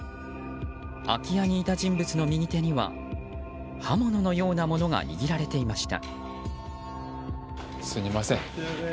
空き家にいた人物の右手には刃物のようなものが握られていました。